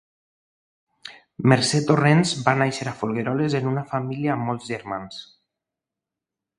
Mercè Torrents va néixer a Folgueroles en una família amb molts germans.